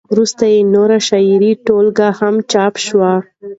وروسته یې نورې شعري ټولګې هم چاپ شوې.